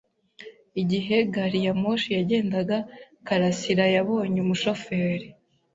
Igihe gari ya moshi yagendaga, Karasirayabonye umushoferi.